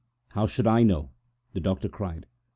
"How should I know?" the doctor cried.